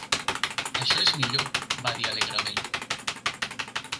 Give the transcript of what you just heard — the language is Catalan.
"Això és millor", va dir alegrement.